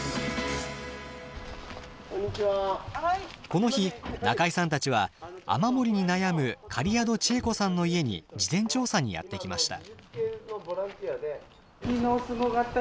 この日中井さんたちは雨漏りに悩む苅宿智恵子さんの家に事前調査にやって来ました。